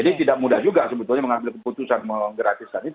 jadi tidak mudah juga sebetulnya mengambil keputusan menghubungkan gratis tadi